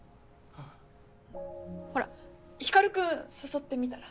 ほら光君誘ってみたら？